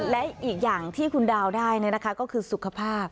และอีกอย่างที่คุณดาวได้ก็คือสุขภาพ